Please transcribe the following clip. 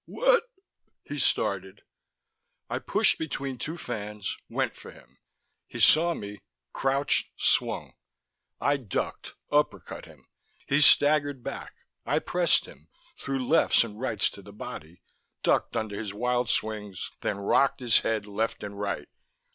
"What...?" he started. I pushed between two fans, went for him. He saw me, crouched, swung. I ducked, uppercut him. He staggered back. I pressed him, threw lefts and rights to the body, ducked under his wild swings, then rocked his head left and right.